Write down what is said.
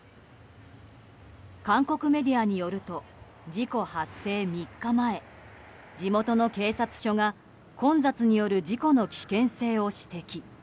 韓国メディアによると事故発生３日前地元の警察署が混雑による事故の危険性を指摘。